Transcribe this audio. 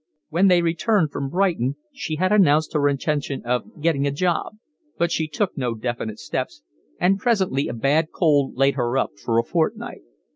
When they returned from Brighton she had announced her intention of getting a job, but she took no definite steps, and presently a bad cold laid her up for a fortnight.